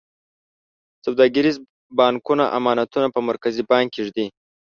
سوداګریز بانکونه امانتونه په مرکزي بانک کې ږدي.